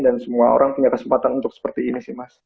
dan semua orang punya kesempatan untuk seperti ini sih mas